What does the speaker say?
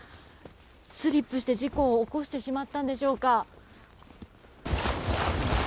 スリップして事故を起こしてしまったんでしょうか。